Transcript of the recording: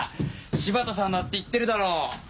「柴田さん」だって言ってるだろう！